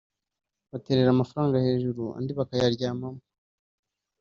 baterera amafaranga hejuru andi bakayaryamamo